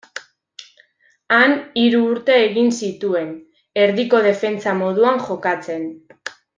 Han hiru urte egin zituen, erdiko defentsa moduan jokatzen.